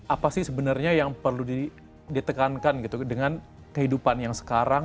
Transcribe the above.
apa sih sebenarnya yang perlu ditekankan gitu dengan kehidupan yang sekarang